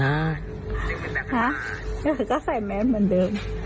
หะใครก็ใส่แม่งเหมือนเดิม